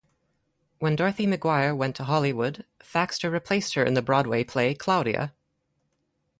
When Dorothy McGuire went to Hollywood, Thaxter replaced her in the Broadway play "Claudia".